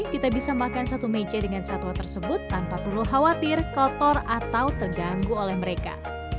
kita bisa makan satu meja dengan satwa tersebut tanpa perlu khawatir kotor atau terganggu oleh mereka